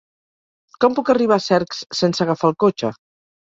Com puc arribar a Cercs sense agafar el cotxe?